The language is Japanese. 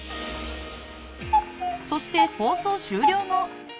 そして、放送終了後。